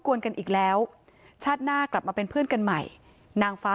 วนกันอีกแล้วชาติหน้ากลับมาเป็นเพื่อนกันใหม่นางฟ้า